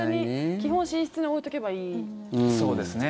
基本、寝室に置いておけばいいですよね。